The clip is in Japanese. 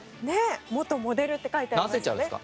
「元モデル」って書いてありますね。